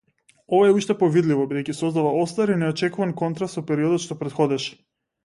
Ова е уште повидливо бидејќи создава остар и неочекуван контраст со периодот што претходеше.